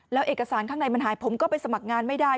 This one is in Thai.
แล้วเอกสารข้างในมันหายผมก็ไปสมัครงานไม่ได้